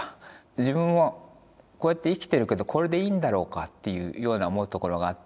自分はこうやって生きてるけどこれでいいんだろうかっていうような思うところがあって。